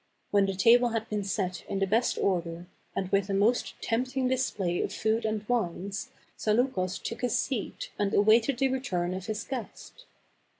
When the table had been set in the best order, and with a most tempting display of food and wines, Zaleukos took his seat and awaited the return of his guest.